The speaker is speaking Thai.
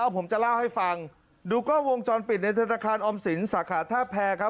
ผมจะเล่าให้ฟังดูกล้องวงจรปิดในธนาคารออมสินสาขาท่าแพรครับ